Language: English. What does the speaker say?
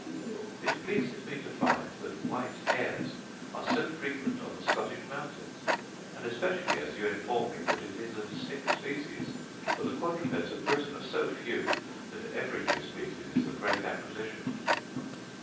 It pleases me to find that white hares are so frequent on the Scottish mountains, and especially as you inform me that it is a distinct species; for the quadrupeds of Britain are so few, that every new species is a great acquisition.